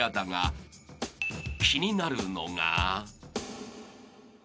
［気になるのが］